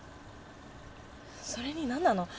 それに何なの？